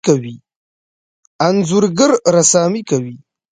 انځورګر رسامي کوي.